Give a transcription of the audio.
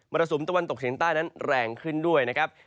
รสุมตะวันตกเฉียงใต้นั้นแรงขึ้นด้วยนะครับ